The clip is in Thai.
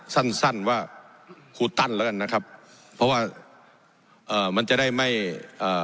สั้นสั้นว่าครูตั้นแล้วกันนะครับเพราะว่าเอ่อมันจะได้ไม่เอ่อ